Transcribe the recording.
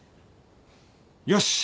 よし！